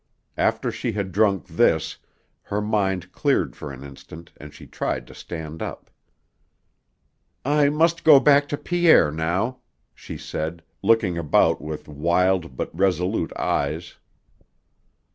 After she had drunk this, her mind cleared for an instant and she tried to stand up. "I must go back to Pierre now," she said, looking about with wild but resolute eyes.